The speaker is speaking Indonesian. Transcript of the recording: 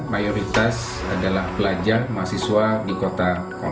mayoritas adalah pelajar mahasiswa di kota